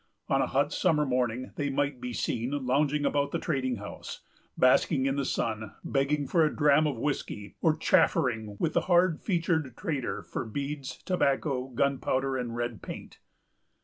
On a hot summer morning, they might be seen lounging about the trading house, basking in the sun, begging for a dram of whiskey, or chaffering with the hard featured trader for beads, tobacco, gunpowder, and red paint.